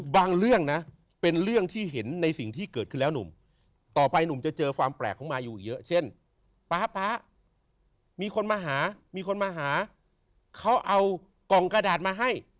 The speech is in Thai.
เรื่องนะเป็นเรื่องที่เห็นในสิ่งที่เกิดขึ้นแล้วหนุ่มต่อไปหนุ่มจะเจอความแปลกของมายูอีกเยอะเช่นป๊าป๊ามีคนมาหามีคนมาหาเขาเอากล่องกระดาษมาให้